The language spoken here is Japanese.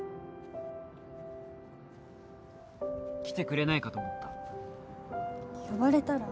来てくれないかと思った。